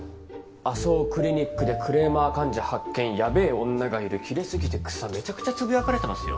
安生クリニックでクレーマー患者発見ヤベェ女がいるキレ過ぎて草めちゃくちゃつぶやかれてますよ。